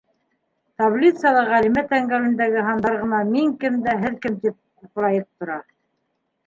Таблицала Ғәлимә тәңгәлендәге һандар ғына мин кем дә һеҙ кем тип ҡуҡырайып тора.